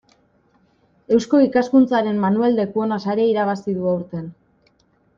Eusko Ikaskuntzaren Manuel Lekuona saria irabazi du aurten.